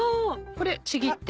これちぎって？